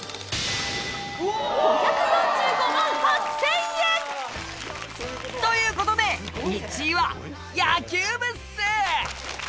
５４５万８０００円！という事で１位は野球部っす！